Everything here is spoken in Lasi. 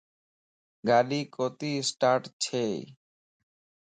گاڏي ڪوتي اسٽاٽ ڇئي